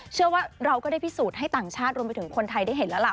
เราก็ได้พิสูจน์ให้ต่างชาติรวมไปถึงคนไทยได้เห็นแล้วล่ะ